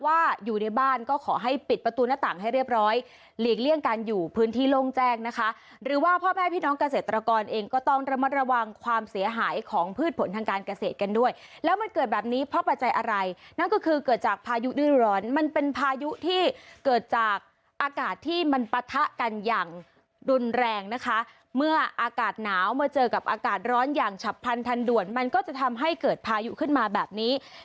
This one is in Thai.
ว่าพี่น้องเกษตรกรเองก็ต้องระมัดระวังความเสียหายของพืชผลทางการเกษตรกันด้วยแล้วมันเกิดแบบนี้เพราะปัจจัยอะไรนั่นก็คือเกิดจากพายุฤดูร้อนมันเป็นพายุที่เกิดจากอากาศที่มันปะทะกันอย่างดุนแรงนะคะเมื่ออากาศหนาวมาเจอกับอากาศร้อนอย่างฉับพันธ์ทันด่วนมันก็จะทำให้เกิดพายุขึ้น